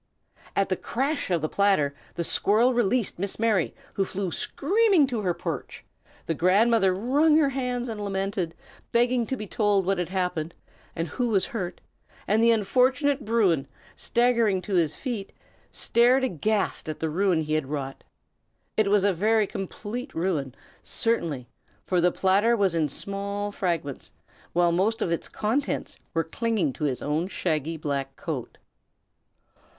At the crash of the platter, the squirrel released Miss Mary, who flew screaming to her perch; the grandmother wrung her hands and lamented, begging to be told what had happened, and who was hurt; and the unfortunate Bruin, staggering to his feet, stared aghast at the ruin he had wrought. It was a very complete ruin, certainly, for the platter was in small fragments, while most of its contents were clinging to his own shaggy black coat.